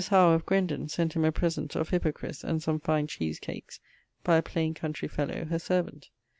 Howe, of Grendon, sent him a present of hippocris, and some fine cheese cakes, by a plain countrey fellow, her servant.